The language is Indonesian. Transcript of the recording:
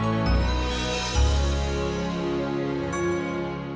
sampai jumpa lagi